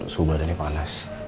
suhu badannya panas